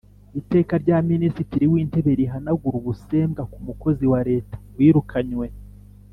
Iteka rya Minisitiri w’Intebe rihanagura ubusembwa ku mukozi wa Leta wirukanywe